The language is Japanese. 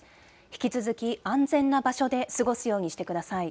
引き続き安全な場所で過ごすようにしてください。